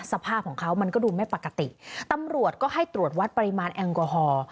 สภาพของเขามันก็ดูไม่ปกติตำรวจก็ให้ตรวจวัดปริมาณแอลกอฮอล์